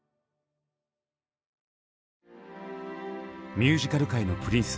「ミュージカル界のプリンス」